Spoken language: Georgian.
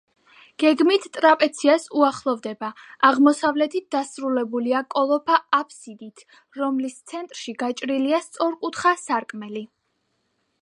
გეგმით ტრაპეციას უახლოვდება, აღმოსავლეთით დასრულებულია კოლოფა აბსიდით, რომლის ცენტრში გაჭრილია სწორკუთხა სარკმელი.